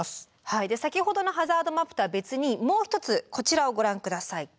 はい先ほどのハザードマップとは別にもう一つこちらをご覧下さい。